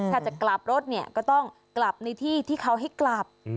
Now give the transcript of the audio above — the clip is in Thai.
ถ้าจะกลับรถเนี่ยก็ต้องกลับในที่ที่เขาให้กลับ